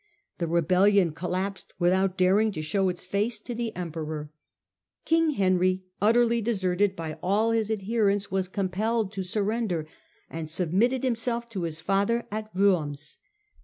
The rebellion collapsed without daring to show its face to the Emperor. King Henry, utterly deserted by all THE REBELLIOUS SON 135 his adherents, was compelled to surrender, and submitted himself to his father at Worms.